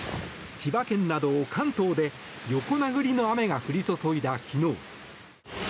千葉県など関東で横殴りの雨が降り注いだ昨日。